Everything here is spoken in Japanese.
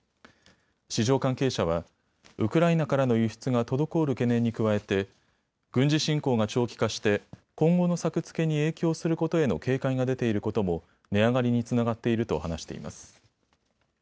市場関係者はウクライナからの輸出が滞る懸念に加えて軍事侵攻が長期化して今後の作付けに影響することへの警戒が出ていることも値上がりにつながっていると話しています。